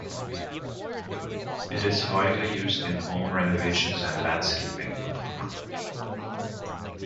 It is widely used in home renovations and landscaping.